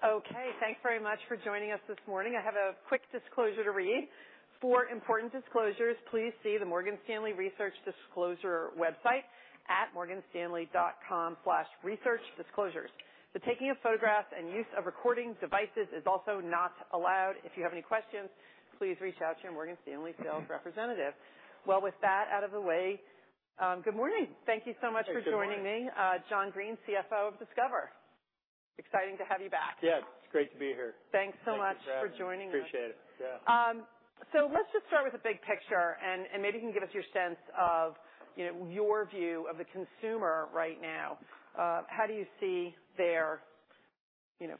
Okay, thanks very much for joining us this morning. I have a quick disclosure to read. For important disclosures, please see the Morgan Stanley Research Disclosure website at morganstanley.com/researchdisclosures. The taking of photographs and use of recording devices is also not allowed. If you have any questions, please reach out to your Morgan Stanley sales representative. Well, with that out of the way, good morning. Thank you so much for joining me. Good morning. John Greene, CFO of Discover. Exciting to have you back. Yes, it's great to be here. Thanks so much for joining us. Appreciate it. Yeah. Let's just start with the big picture, and maybe you can give us your sense of your view of the consumer right now. How do you see their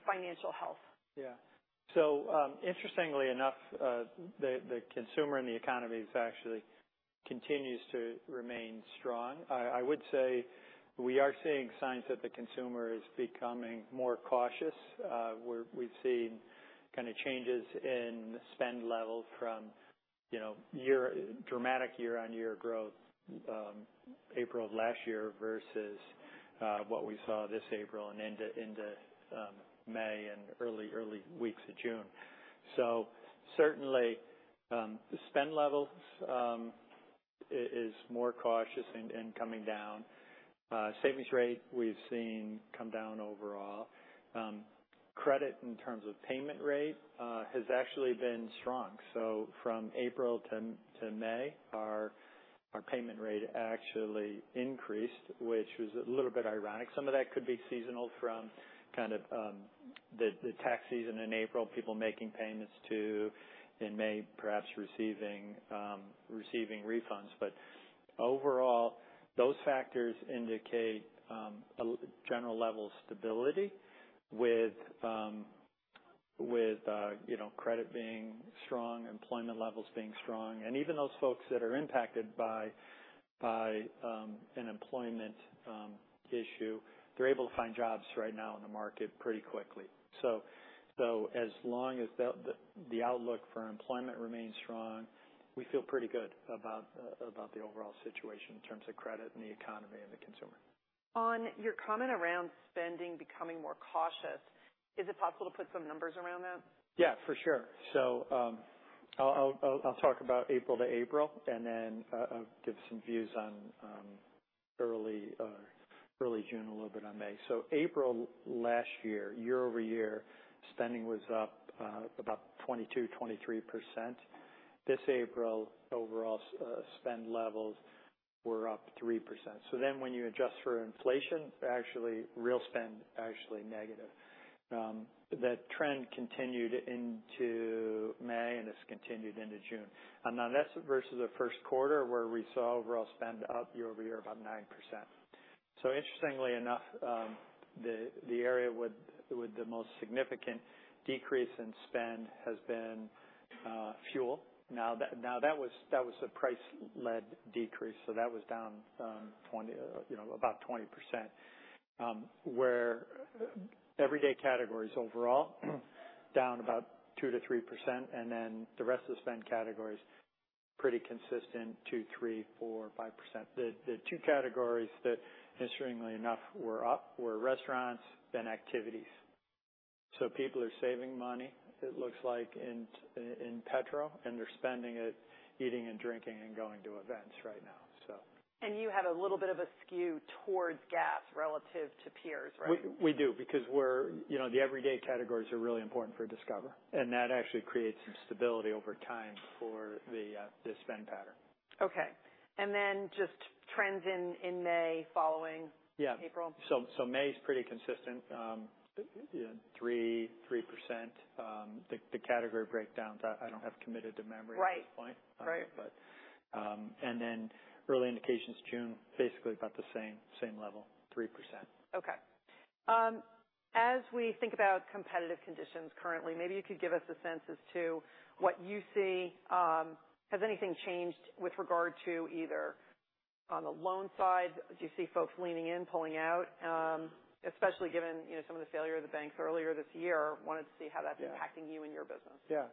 financial health? Interestingly enough, the consumer and the economy is actually continues to remain strong. I would say we are seeing signs that the consumer is becoming more cautious. We've seen kind of changes in spend levels from dramatic year-on-year growth, April of last year versus what we saw this April and into May and early weeks of June. Certainly, the spend levels is more cautious in coming down. Savings rate, we've seen come down overall. Credit in terms of payment rate has actually been strong. From April to May, our payment rate actually increased, which was a little bit ironic. Some of that could be seasonal from kind of, the tax season in April, people making payments to, in May, perhaps receiving refunds. Overall, those factors indicate, a general level of stability with credit being strong, employment levels being strong. Even those folks that are impacted by an employment issue, they're able to find jobs right now in the market pretty quickly. As long as the outlook for employment remains strong, we feel pretty good about the overall situation in terms of credit and the economy and the consumer. On your comment around spending becoming more cautious, is it possible to put some numbers around that? Yeah, for sure. I'll talk about April to April, and then I'll give some views on early June, a little bit on May. April last year over year, spending was up about 22%-23%. This April, overall spend levels were up 3%. When you adjust for inflation, actually real spend, actually negative. That trend continued into May and has continued into June. Now that's versus the first quarter, where we saw overall spend up year over year, about 9%. Interestingly enough, the area with the most significant decrease in spend has been fuel. Now, that was a price-led decrease, that was down, 20 about 20%. where everyday categories overall, down about 2%-3%, and then the rest of the spend categories, pretty consistent, 2%, 3%, 4%, 5%. The two categories that, interestingly enough, were up were restaurants, then activities. People are saving money, it looks like, in petrol, and they're spending it eating and drinking and going to events right now. You have a little bit of a skew towards gas relative to peers, right? We do, because we're the everyday categories are really important for Discover, and that actually creates some stability over time for the spend pattern. Okay. Then just trends in May. Yeah. -April. May is pretty consistent 3%. The category breakdowns, I don't have committed to memory at this point. Right. Right. Early indications, June, basically about the same level, 3%. Okay. As we think about competitive conditions currently, maybe you could give us a sense as to what you see. Has anything changed with regard to either on the loan side, do you see folks leaning in, pulling out? Especially given some of the failure of the banks earlier this year, wanted to see how that's impacting you and your business? Yeah.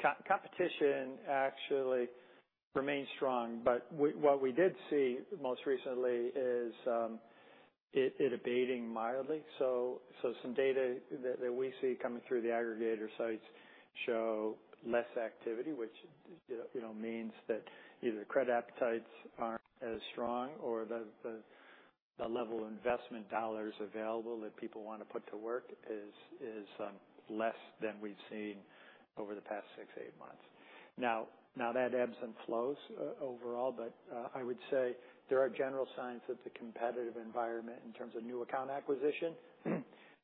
Co-competition actually remains strong, but what we did see most recently is it abating mildly. Some data that we see coming through the aggregator sites show less activity, which means that either the credit appetites aren't as strong or the level of investment dollars available that people want to put to work is less than we've seen over the past 6, 8 months. Now, that ebbs and flows overall, I would say there are general signs that the competitive environment, in terms of new account acquisition,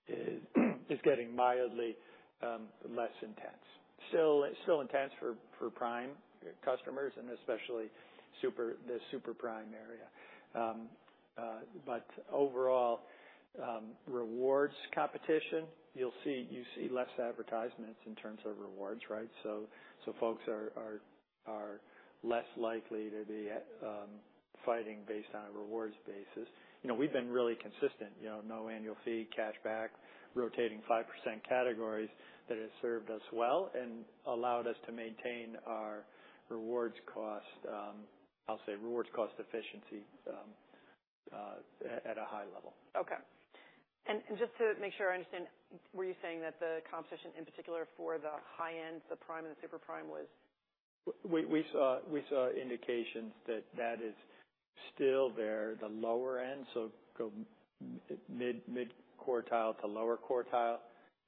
is getting mildly less intense. Still intense for prime customers and especially the super prime area. Overall, rewards competition, you see less advertisements in terms of rewards, right? Folks are less likely to be fighting based on a rewards basis. You know, we've been really consistent no annual fee, cashback, rotating 5% categories that has served us well and allowed us to maintain our rewards cost, I'll say rewards cost efficiency, at a high level. Okay. Just to make sure I understand, were you saying that the competition, in particular for the high end, the prime and the super prime, was? We saw indications that that is still there, the lower end, so go mid quartile to lower quartile,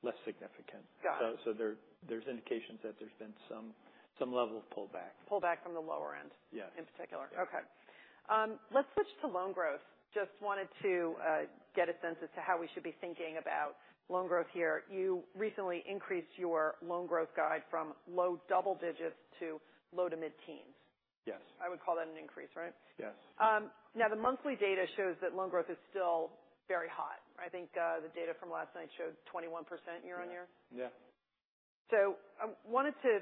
less significant. Got it. There's indications that there's been some level of pullback. Pullback from the lower end. Yes. in particular? Yes. Let's switch to loan growth. Just wanted to get a sense as to how we should be thinking about loan growth here. You recently increased your loan growth guide from low double digits to low to mid-teens. Yes. I would call that an increase, right? Yes. The monthly data shows that loan growth is still very hot. I think the data from last night showed 21% year-on-year. Yeah. I wanted to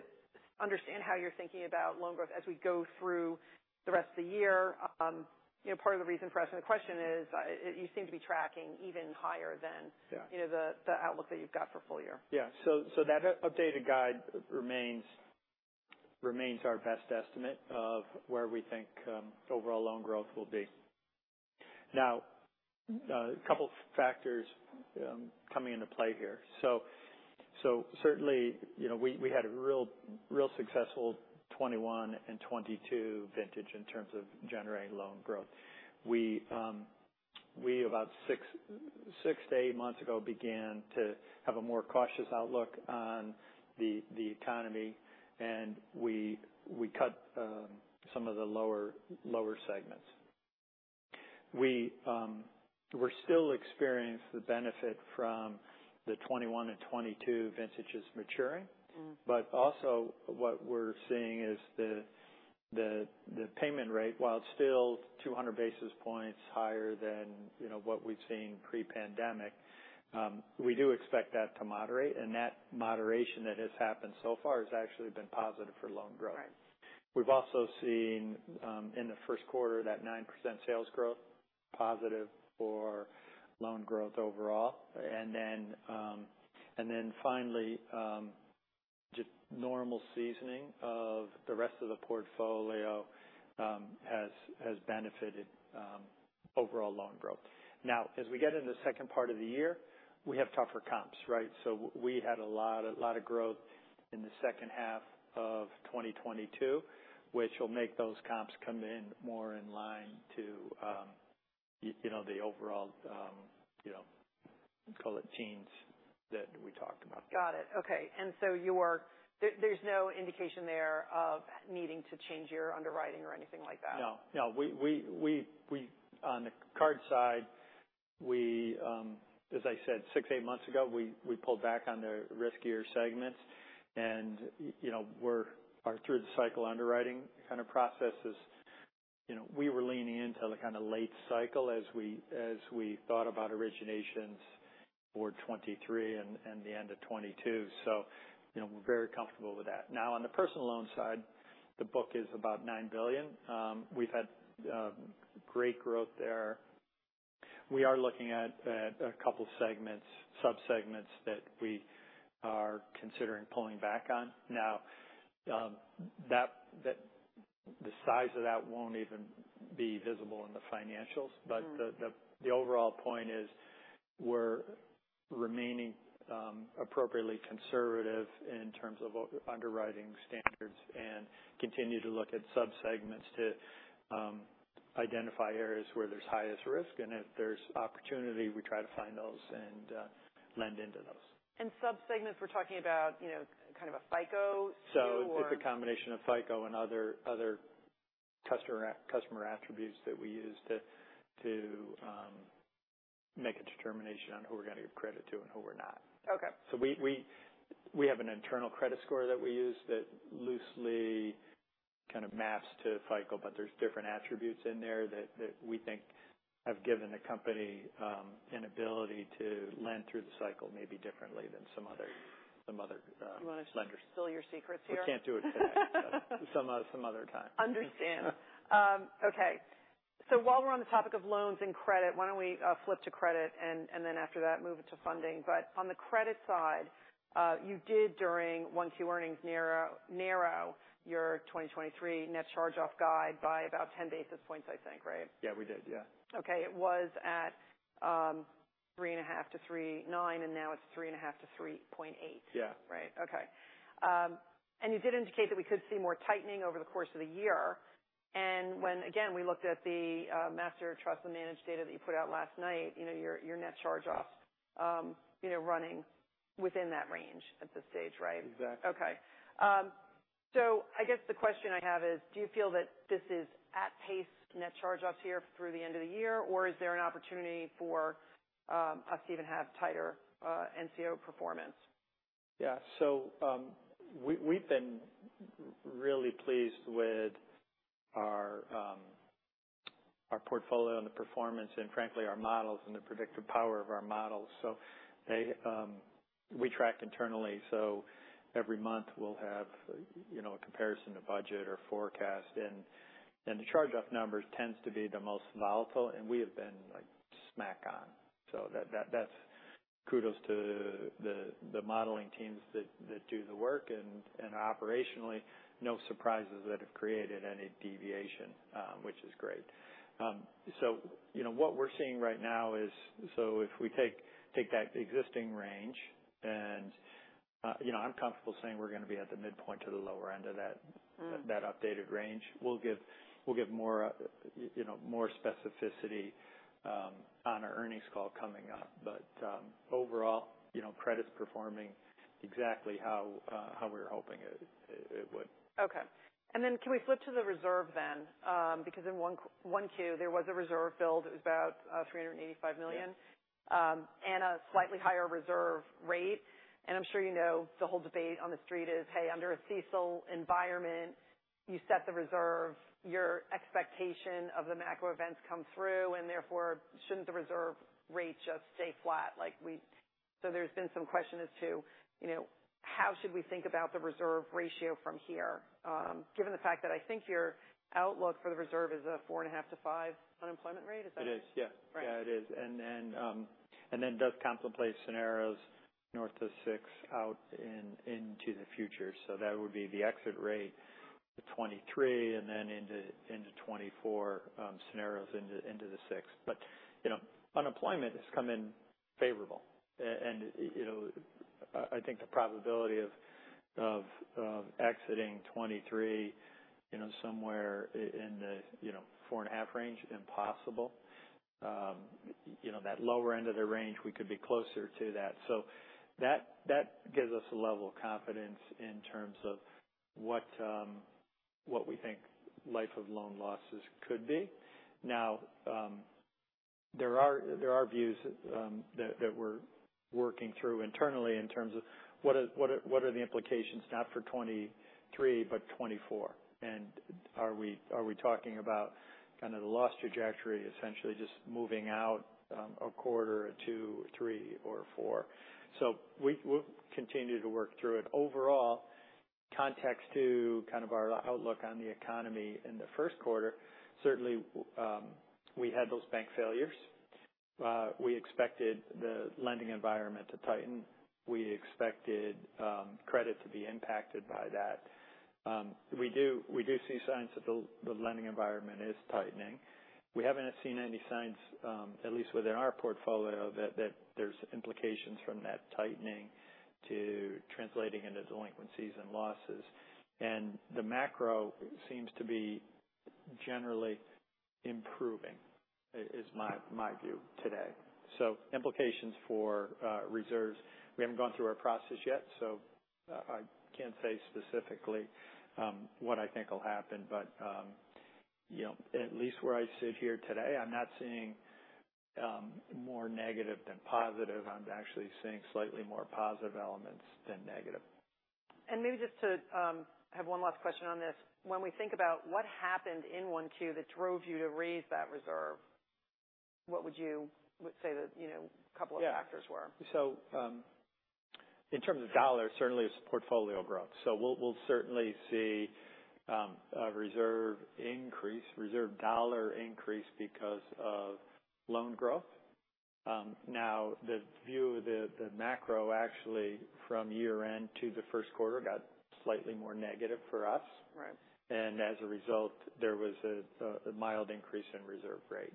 understand how you're thinking about loan growth as we go through the rest of the year. you know, part of the reason for asking the question is, you seem to be tracking even higher... Yeah you know, the outlook that you've got for full year. Yeah. That updated guide remains our best estimate of where we think overall loan growth will be. Now, a couple factors coming into play here. certainly we had a real successful 21 and 22 vintage in terms of generating loan growth. We about 6 to 8 months ago, began to have a more cautious outlook on the economy, and we cut some of the lower segments. We're still experienced the benefit from the 21 and 22 vintages maturing. Mm. Also what we're seeing is the payment rate, while it's still 200 basis points higher than what we've seen pre-pandemic, we do expect that to moderate, and that moderation that has happened so far has actually been positive for loan growth. Right. We've also seen in the first quarter, that 9% sales growth, positive for loan growth overall. Finally, just normal seasoning of the rest of the portfolio, has benefited overall loan growth. As we get into the second part of the year, we have tougher comps, right? We had a lot of growth in the second half of 2022, which will make those comps come in more in line to the overall call it teens that we talked about. Got it. Okay. There's no indication there of needing to change your underwriting or anything like that? No. We on the card side, as I said, 6, 8 months ago, we pulled back on the riskier segments. You know, our through-the-cycle underwriting kind of process is we were leaning into the kind of late cycle as we thought about originations for 2023 and the end of 2022. You know, we're very comfortable with that. Now, on the personal loan side, the book is about $9 billion. We've had great growth there. We are looking at a couple segments, subsegments that we are considering pulling back on. Now, the size of that won't even be visible in the financials. Mm. The overall point is we're remaining appropriately conservative in terms of underwriting standards and continue to look at subsegments to identify areas where there's highest risk, and if there's opportunity, we try to find those and lend into those. Subsegments, we're talking about kind of a FICO score or? It's a combination of FICO and other customer attributes that we use to make a determination on who we're going to give credit to and who we're not. Okay. We have an internal credit score that we use that loosely kind of maps to FICO, but there's different attributes in there that we think have given the company an ability to lend through the cycle maybe differently than some other lenders. You want to spill your secrets here? We can't do it today. Some other time. Understand. Okay. While we're on the topic of loans and credit, why don't we flip to credit and then after that, move it to funding? On the credit side, you did during 1Q earnings narrow your 2023 net charge-off guide by about 10 basis points, I think, right? Yeah, we did. Yeah. Okay. It was at 3.5%-3.9%. Now it's 3.5%-3.8%. Yeah. Right. Okay. And you did indicate that we could see more tightening over the course of the year. When, again, we looked at the master trust and managed data that you put out last night your net charge-off running within that range at this stage, right? Exactly. I guess the question I have is, do you feel that this is at pace net charge-offs here through the end of the year, or is there an opportunity for us to even have tighter NCO performance? Yeah. We've been really pleased with our portfolio and the performance, and frankly, our models and the predictive power of our models. They track internally. Every month, we'll have a comparison to budget or forecast. The charge-off numbers tends to be the most volatile, and we have been, like, smack on. That's kudos to the modeling teams that do the work, and operationally, no surprises that have created any deviation, which is great. You know, what we're seeing right now is if we take that existing range and I'm comfortable saying we're going to be at the midpoint to the lower end of that. Mm-hmm. -that updated range. We'll give more more specificity, on our earnings call coming up. overall credit's performing exactly how we were hoping it would. Okay. Can we flip to the reserve then? Because in 1Q, there was a reserve build. It was about $385 million. Yeah. A slightly higher reserve rate. I'm sure you know, the whole debate on the street is, hey, under a CECL environment, you set the reserve, your expectation of the macro events come through, and therefore, shouldn't the reserve rate just stay flat like we. There's been some question as to how should we think about the reserve ratio from here, given the fact that I think your outlook for the reserve is a 4.5% to 5% unemployment rate, is that? It is, yeah. Right. Yeah, it is. It does contemplate scenarios north of 6 out into the future. That would be the exit rate to 2023, and then into 2024, scenarios into the 6. You know, unemployment has come in favorable. You know, I think the probability of exiting 2023 somewhere in the 4.5 range, impossible. You know, that lower end of the range, we could be closer to that. That gives us a level of confidence in terms of what we think life of loan losses could be. There are views, that we're working through internally in terms of what are the implications, not for 2023, but 2024. Are we talking about kind of the loss trajectory, essentially just moving out, a quarter or two, three or four? We'll continue to work through it. Overall, context to kind of our outlook on the economy in the first quarter, certainly, we had those bank failures. We expected the lending environment to tighten. We expected credit to be impacted by that. We do see signs that the lending environment is tightening. We haven't seen any signs, at least within our portfolio, that there's implications from that tightening to translating into delinquencies and losses. The macro seems to be generally improving, is my view today. Implications for reserves. We haven't gone through our process yet, so I can't say specifically what I think will happen. you know, at least where I sit here today, I'm not seeing more negative than positive. I'm actually seeing slightly more positive elements than negative. Maybe just to, I have one last question on this. We think about what happened in 1Q that drove you to raise that reserve, what would you say that, you know? Yeah -of factors were? In terms of dollars, certainly it's portfolio growth. We'll certainly see a reserve increase, reserve dollar increase because of loan growth. The view of the macro, actually, from year end to the first quarter got slightly more negative for us. Right. As a result, there was a mild increase in reserve rate. Right.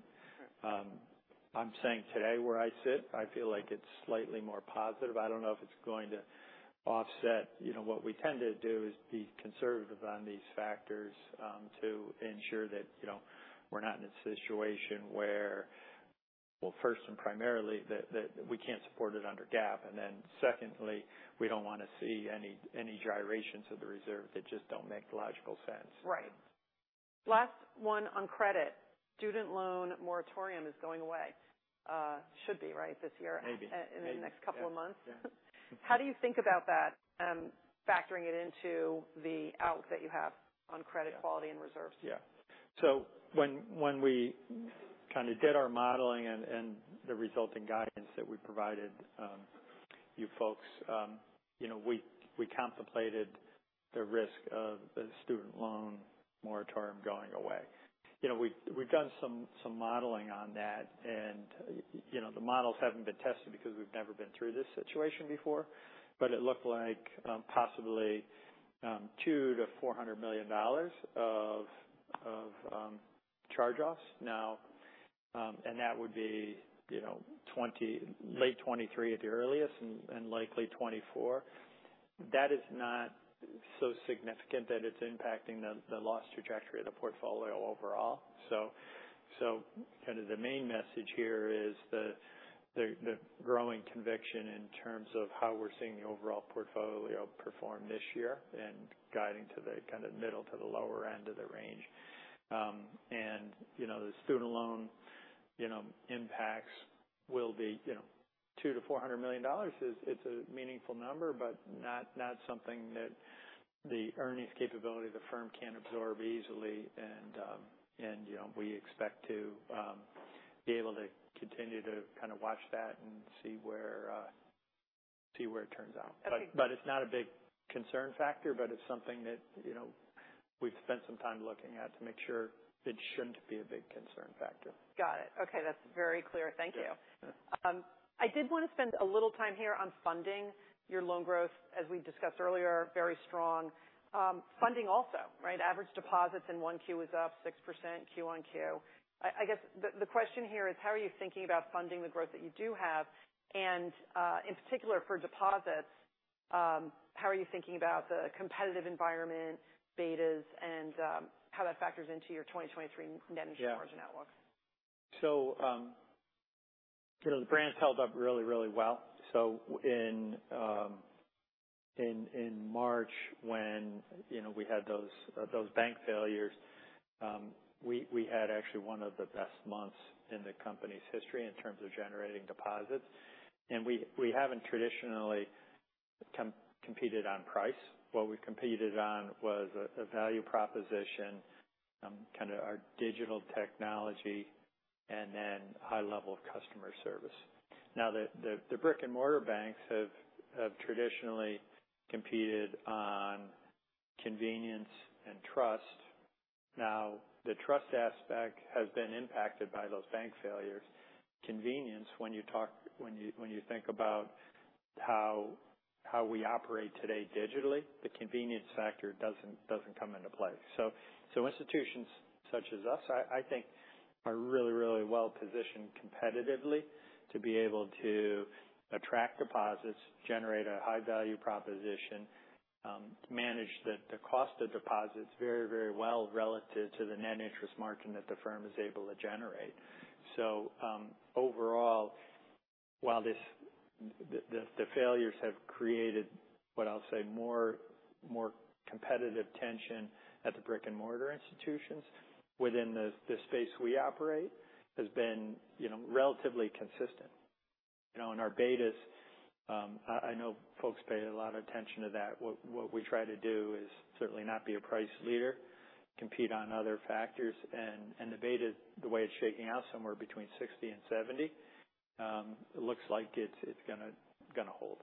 I'm saying today, where I sit, I feel like it's slightly more positive. I don't know if it's going to offset. You know, what we tend to do is be conservative on these factors, to ensure that we're not in a situation where, well, first and primarily, that we can't support it under GAAP, and then secondly, we don't want to see any gyrations of the reserve that just don't make logical sense. Right. Last one on credit. Student loan moratorium is going away. Should be, right, this year? Maybe. In the next couple of months. Yeah, yeah. How do you think about that, factoring it into the out that you have on credit quality? Yeah reserves? When we kind of did our modeling and the resulting guidance that we provided, you folks we contemplated the risk of the student loan moratorium going away. You know, we've done some modeling on that, and the models haven't been tested because we've never been through this situation before, but it looked like, possibly, $200 million-$400 million of charge-offs. Now, that would be, you know. Mm-hmm. -late 2023 at the earliest and likely 2024. That is not so significant that it's impacting the loss trajectory of the portfolio overall. Kind of the main message here is the growing conviction in terms of how we're seeing the overall portfolio perform this year and guiding to the kind of middle to the lower end of the range. You know, the student loan impacts will be $200 million-$400 million it's a meaningful number, but not something that... the earnings capability the firm can absorb easily. You know, we expect to be able to continue to kind of watch that and see where it turns out. It's not a big concern factor, but it's something that we've spent some time looking at to make sure it shouldn't be a big concern factor. Got it. Okay, that's very clear. Thank you. Yeah. I did want to spend a little time here on funding. Your loan growth, as we discussed earlier, very strong. Funding also, right? Average deposits in 1Q is up 6% Q on Q. I guess the question here is: how are you thinking about funding the growth that you do have? In particular for deposits, how are you thinking about the competitive environment, betas, and how that factors into your 2023 net interest margin outlook? You know, the brand's held up really, really well. In March, when we had those bank failures, we had actually one of the best months in the company's history in terms of generating deposits. We haven't traditionally competed on price. What we competed on was a value proposition, kind of our digital technology, and then high level of customer service. The brick-and-mortar banks have traditionally competed on convenience and trust. The trust aspect has been impacted by those bank failures. Convenience, when you think about how we operate today digitally, the convenience factor doesn't come into play. Institutions such as us, I think are really well positioned competitively to be able to attract deposits, generate a high value proposition, manage the cost of deposits very well relative to the net interest margin that the firm is able to generate. Overall, while the failures have created, what I'll say, more competitive tension at the brick-and-mortar institutions, within the space we operate has been relatively consistent. You know, in our betas, I know folks pay a lot of attention to that. What we try to do is certainly not be a price leader, compete on other factors, and the beta, the way it's shaking out, somewhere between 60 and 70. It looks like it's going to hold.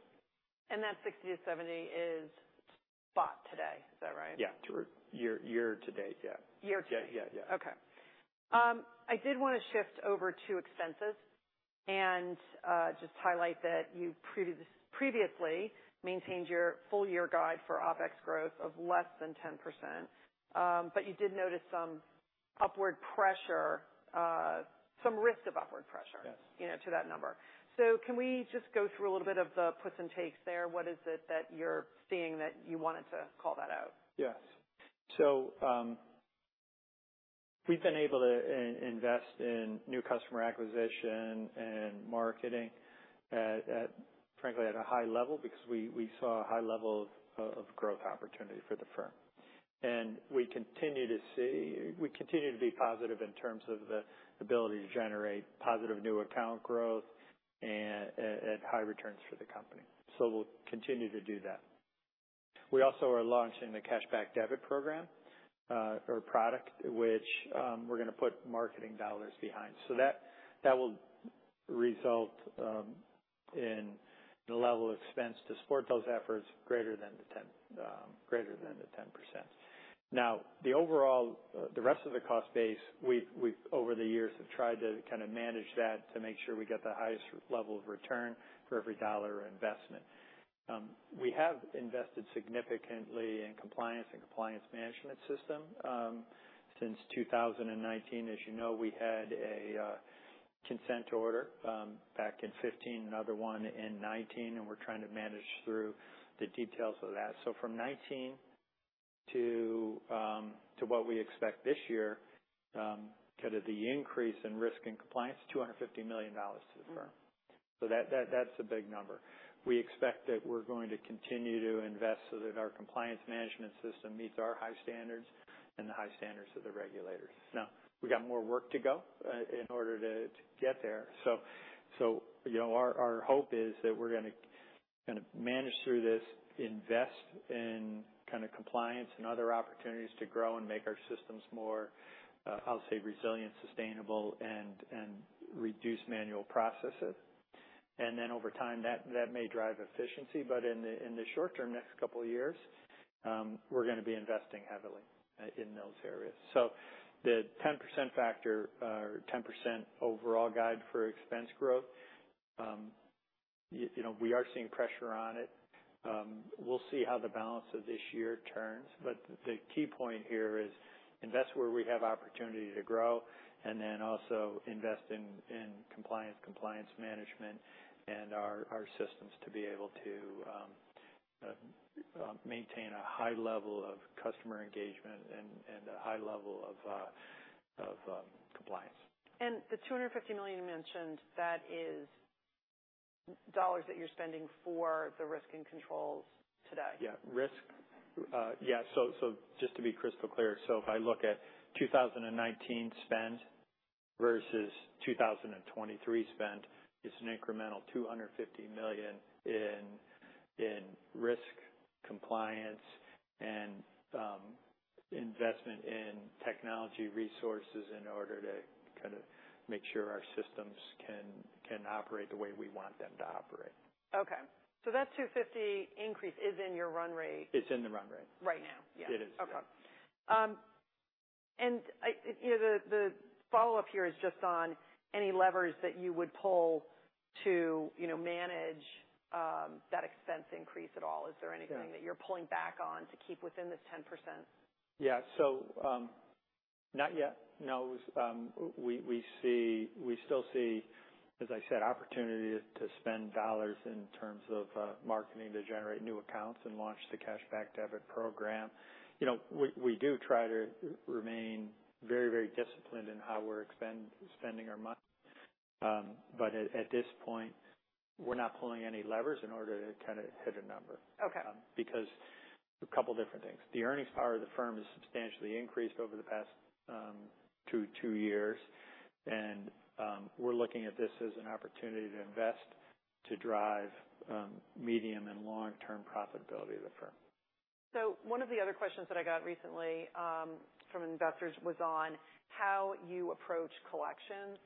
That 60-70 is spot today, is that right? Yeah. To year to date. Yeah. Year to date. Yeah. Yeah. Yeah. Okay. I did want to shift over to expenses and just highlight that you previously maintained your full year guide for OpEx growth of less than 10%. You did notice some upward pressure, some risk of upward pressure. Yes. you know, to that number. Can we just go through a little bit of the puts and takes there? What is it that you're seeing that you wanted to call that out? Yes. We've been able to invest in new customer acquisition and marketing at, frankly, at a high level, because we saw a high level of growth opportunity for the firm. We continue to be positive in terms of the ability to generate positive new account growth and at high returns for the company. We'll continue to do that. We also are launching the Cashback Debit program or product, which we're going to put marketing dollars behind. That will result in the level of expense to support those efforts greater than the 10%. The overall, the rest of the cost base, we've over the years, have tried to kind of manage that to make sure we get the highest level of return for every dollar investment. We have invested significantly in compliance and Compliance Management System. Since 2019, as you know, we had a consent order back in 2015, another one in 2019, and we're trying to manage through the details of that. From 2019 to what we expect this year, kind of the increase in risk and compliance, $250 million to the firm. Mm-hmm. That's a big number. We expect that we're going to continue to invest so that our Compliance Management System meets our high standards and the high standards of the regulators. We got more work to go in order to get there. You know, our hope is that we're going to kind of manage through this, invest in kind of compliance and other opportunities to grow and make our systems more, I'll say, resilient, sustainable, and reduce manual processes. Over time, that may drive efficiency, but in the short term, next couple of years, we're going to be investing heavily in those areas. The 10% factor or 10% overall guide for expense growth we are seeing pressure on it. We'll see how the balance of this year turns. The key point here is invest where we have opportunity to grow and then also invest in Compliance Management and our systems to be able to maintain a high level of customer engagement and a high level of compliance. The $250 million you mentioned, that is dollars that you're spending for the risk and controls today? Yeah. Risk. Yeah. Just to be crystal clear, so if I look at 2019 spend versus 2023 spend is an incremental $250 million in risk, compliance, and investment in technology resources in order to kind of make sure our systems can operate the way we want them to operate. Okay. That $250 increase is in your run rate? It's in the run rate. Right now? It is. Okay. i the follow-up here is just on any levers that you would pull to manage that expense increase at all. Yeah. -that you're pulling back on to keep within this 10%? Yeah. Not yet. No. We still see, as I said, opportunity to spend dollars in terms of marketing to generate new accounts and launch the Cashback Debit program. You know, we do try to remain very, very disciplined in how we're spending our money. At this point, we're not pulling any levers in order to kind of hit a number. Okay. Because a couple different things. The earnings power of the firm has substantially increased over the past two years. We're looking at this as an opportunity to invest, to drive, medium and long-term profitability of the firm. One of the other questions that I got recently, from investors was on how you approach collections.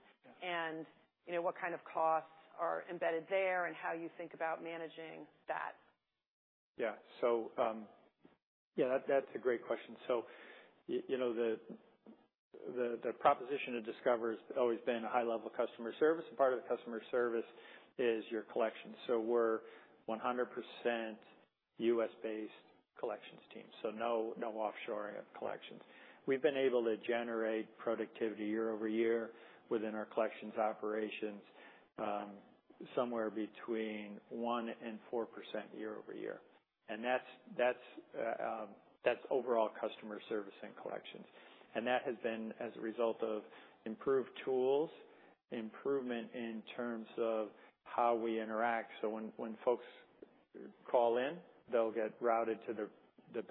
Yeah. you know, what kind of costs are embedded there and how you think about managing that? Yeah, that's a great question. You know, the proposition of Discover has always been a high level of customer service, and part of the customer service is your collections. We're 100% US-based collections team, so no offshoring of collections. We've been able to generate productivity year-over-year within our collections operations, somewhere between 1%-4% year-over-year. That's overall customer service and collections. That has been as a result of improved tools, improvement in terms of how we interact. When folks call in, they'll get routed to the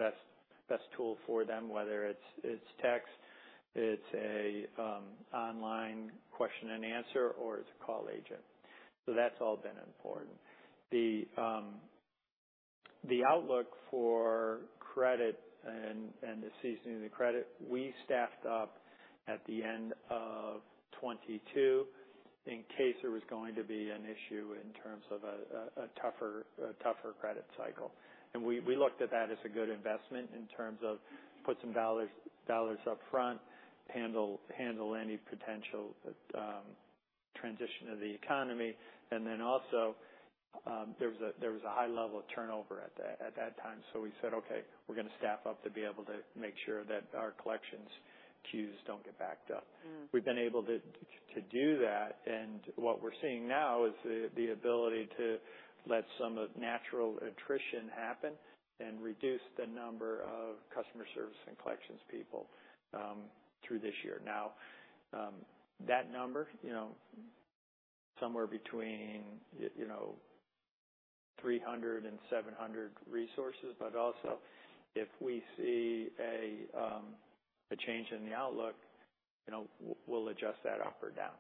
best tool for them, whether it's text, it's a online question and answer, or it's a call agent. That's all been important. The outlook for credit and the seasoning of the credit, we staffed up at the end of 22 in case there was going to be an issue in terms of a tougher credit cycle. We looked at that as a good investment in terms of put some $ upfront, handle any potential transition of the economy. Also, there was a high level of turnover at that time. We said, "Okay, we're going to staff up to be able to make sure that our collections queues don't get backed up. Mm. We've been able to do that. What we're seeing now is the ability to let some of natural attrition happen and reduce the number of customer service and collections people through this year. That number somewhere between 300 and 700 resources. If we see a change in the outlook we'll adjust that up or down.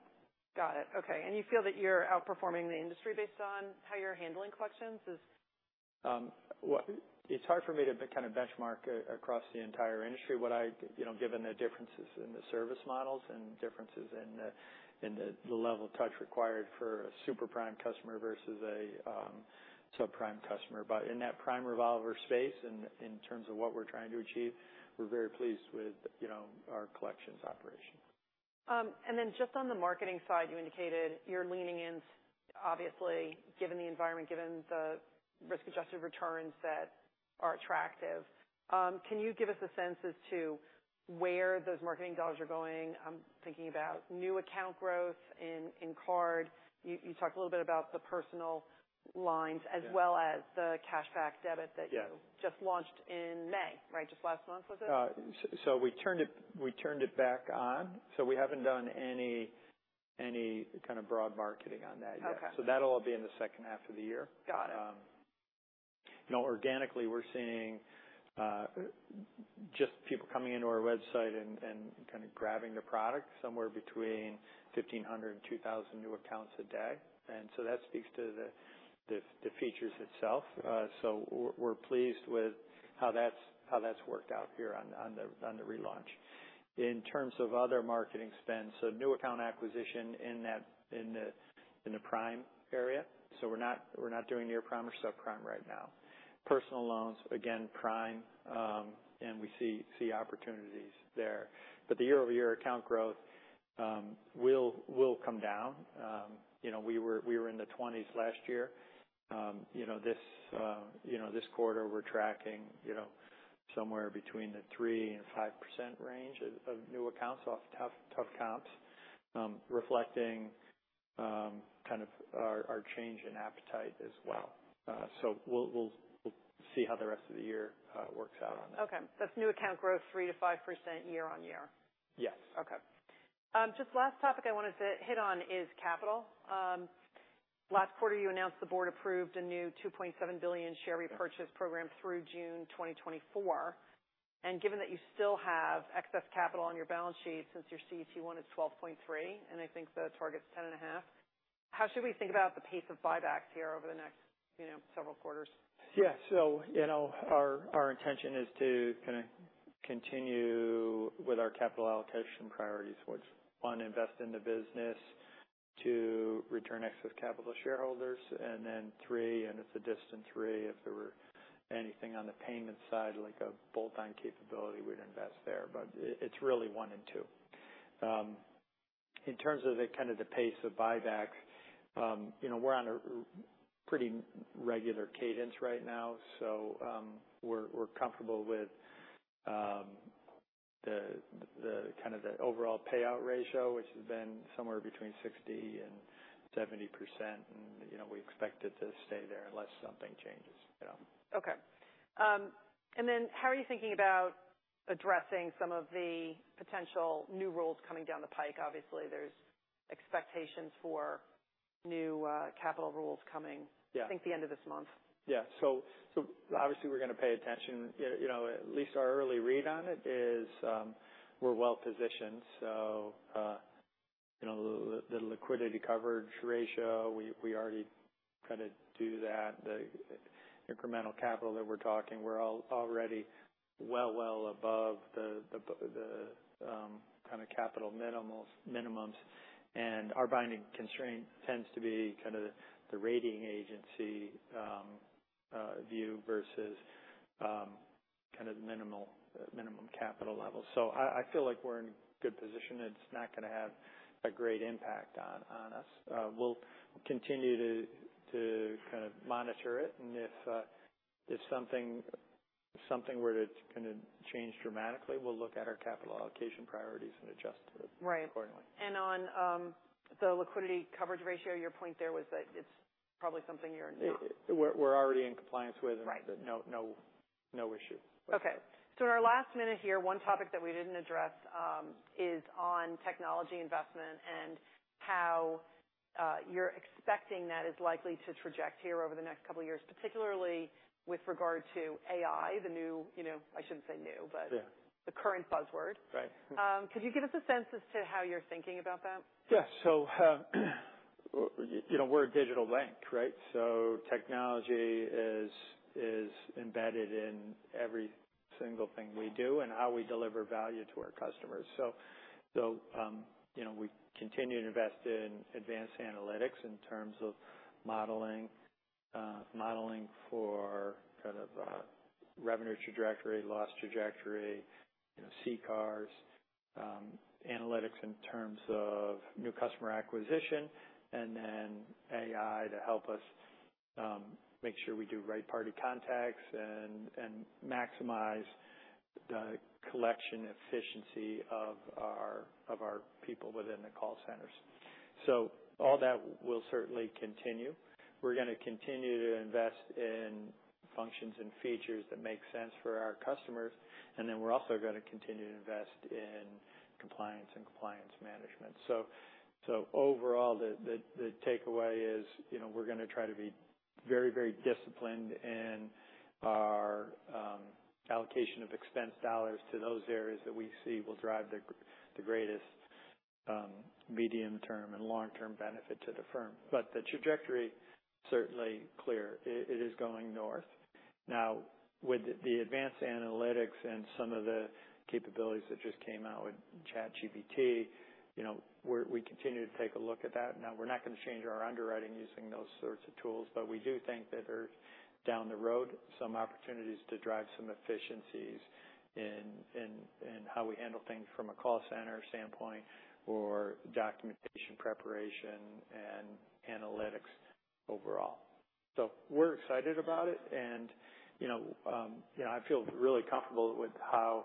Got it. Okay. You feel that you're outperforming the industry based on how you're handling collections? Well, it's hard for me to kind of benchmark across the entire industry. You know, given the differences in the service models and differences in the level of touch required for a super prime customer versus a subprime customer. In that prime revolver space, in terms of what we're trying to achieve, we're very pleased with our collections operation. Just on the marketing side, you indicated you're leaning in, obviously, given the environment, given the risk-adjusted returns that are attractive. Can you give us a sense as to where those marketing dollars are going? I'm thinking about new account growth in card. You talked a little bit about the personal lines. Yeah. as well as the Cashback Debit that Yeah You just launched in May, right? Just last month, was it? We turned it back on. We haven't done any kind of broad marketing on that yet. Okay. That'll all be in the second half of the year. Got it. you know, organically, we're seeing, just people coming into our website and kind of grabbing the product somewhere between 1,500 and 2,000 new accounts a day. That speaks to the features itself. Yeah. We're pleased with how that's worked out here on the relaunch. In terms of other marketing spends, new account acquisition in the prime area. We're not doing near prime or subprime right now. Personal loans, again, prime, and we see opportunities there. The year-over-year account growth will come down. You know, we were in the 20s last year. You know, this quarter, we're tracking somewhere between the 3%-5% range of new accounts, off tough comps, reflecting kind of our change in appetite as well. We'll see how the rest of the year works out on that. Okay. That's new account growth, 3% to 5% year-over-year? Yes. Okay. Just last topic I wanted to hit on is capital. Last quarter, you announced the board approved a new $2.7 billion share repurchase program through June 2024. Given that you still have excess capital on your balance sheet since your CET1 is 12.3%, and I think the target is 10.5%, how should we think about the pace of buybacks here over the next several quarters? Yeah. You know, our intention is to kind of continue with our capital allocation priorities, which 1, invest in the business, to return excess capital to shareholders, and then 3, and it's a distant 3, if there were anything on the payment side, like a bolt-on capability, we'd invest there. It's really 1 and 2. In terms of the kind of the pace of buybacks we're on a pretty regular cadence right now, so we're comfortable with the kind of the overall payout ratio, which has been somewhere between 60% and 70%, and we expect it to stay there unless something changes, you know. Okay. How are you thinking about addressing some of the potential new rules coming down the pike? Obviously, there's expectations for new capital rules. Yeah. I think the end of this month. Obviously, we're going to pay attention. You know, at least our early read on it is, we're well positioned. You know, the liquidity coverage ratio, we already kind of do that. The incremental capital that we're talking, we're already well above the kind of capital minimums. Our binding constraint tends to be kind of the rating agency view versus kind of minimum capital levels. I feel like we're in a good position, and it's not going to have a great impact on us. We'll continue to kind of monitor it, and if something were to kind of change dramatically, we'll look at our capital allocation priorities and adjust it. Right. accordingly. On the liquidity coverage ratio, your point there was that it's probably something. We're already in compliance with... Right. no, no issue. Okay. In our last minute here, one topic that we didn't address, is on technology investment and how you're expecting that is likely to traject here over the next couple of years, particularly with regard to AI, the new I shouldn't say new. Yeah. -the current buzzword. Right. Could you give us a sense as to how you're thinking about that? You know, we're a digital bank, right? Technology is embedded in every single thing we do and how we deliver value to our customers. You know, we continue to invest in advanced analytics in terms of modeling for kind of revenue trajectory, loss trajectory CCARs, analytics in terms of new customer acquisition, and then AI to help us make sure we do right-party contacts and maximize the collection efficiency of our people within the call centers. All that will certainly continue. We're going to continue to invest in functions and features that make sense for our customers, and then we're also going to continue to invest in compliance and Compliance Management. Overall, the takeaway is we're going to try to be very, very disciplined in our allocation of expense dollars to those areas that we see will drive the greatest medium-term and long-term benefit to the firm. The trajectory, certainly clear, it is going north. With the advanced analytics and some of the capabilities that just came out with chatgpt we continue to take a look at that. We're not going to change our underwriting using those sorts of tools, but we do think that there's, down the road, some opportunities to drive some efficiencies in how we handle things from a call center standpoint or documentation preparation and analytics overall. We're excited about it, know I feel really comfortable with how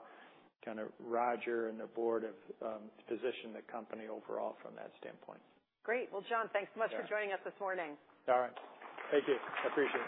kind of Roger and the board have positioned the company overall from that standpoint. Great. Well, John, thanks so much for joining us this morning. All right. Thank you. I appreciate it.